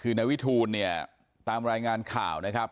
คือนายวิทูลเนี่ยตามรายงานข่าวนะครับ